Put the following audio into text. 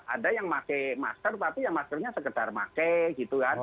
ada yang pakai masker tapi ya maskernya sekedar pakai gitu kan